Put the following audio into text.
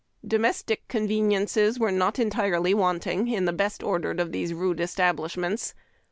Domestic conveniences were not entirely wanting in the best ordered of these rude establishments.